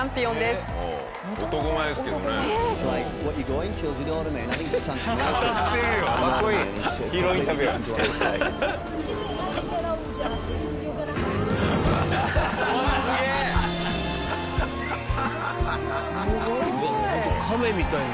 すごい！